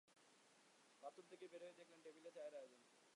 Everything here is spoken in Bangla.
বাথরুম থেকে বের হয়েই দেখলেন টেবিলে চায়ের আয়োজন।